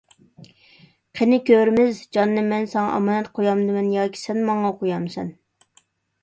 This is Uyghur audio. قېنى كۆرىمىز، جاننى مەن ساڭا ئامانەت قويامدىمەن ياكى سەن ماڭا قويامسەن!